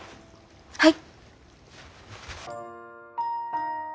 はい！